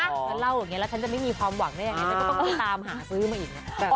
ถ้าเล่าอย่างนี้แล้วฉันจะไม่มีความหวังได้ยังไงฉันก็ต้องไปตามหาซื้อมาอีก